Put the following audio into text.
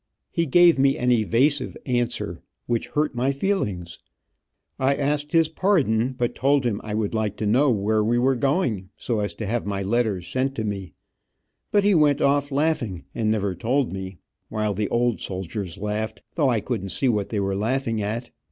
He gave me an evasive answer, which hurt my feelings. I asked his pardon, but told him I would like to know where we were going, so as to have my letters sent to me, but he went off laughing, and never told me, while the old soldiers laughed, though I couldn't see what they were laughing at.